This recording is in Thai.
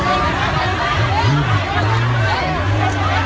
ก็ไม่มีเวลาให้กลับมาเท่าไหร่